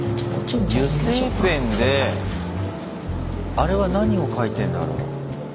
油性ペンであれは何を書いてんだろう？